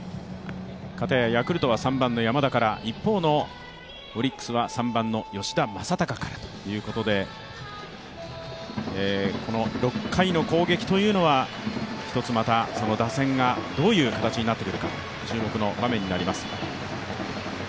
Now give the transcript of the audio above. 片やヤクルトは３番の山田から、一方のオリックスは３番の吉田正尚からということで、この６回の攻撃というのはひとつ打線がどういう形になってくるか注目の場面になります。